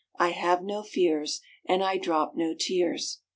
I have no fears, and I drop no tears.